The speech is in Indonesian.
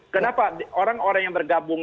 kenapa orang orang yang bergabung